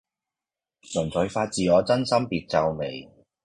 純粹發自我真心別皺眉